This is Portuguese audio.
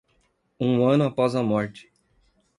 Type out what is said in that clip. Um ano após a morte